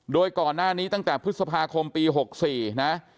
โดยก่อนหน้านี้ตั้งแต่พฤษภาคมปี๖๔นะ